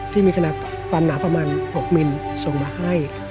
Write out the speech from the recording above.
ที่มีคณะความหนาประมาณ๖มิลลิเมตรส่งมาให้